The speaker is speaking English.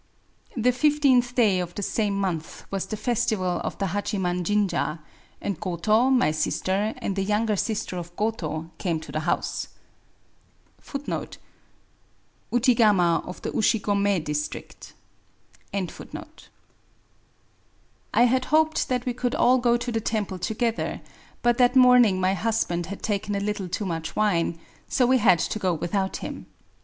The fifteenth day of the same month was the festival of the Hachiman jinja^; and Goto, my sister, and the younger sister of Goto came to the house. I had hoped that we could all go to the temple together ; but that morning my husband had taken a little too much wine, — so we had to go without him.